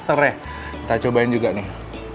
serai kita cobain juga nih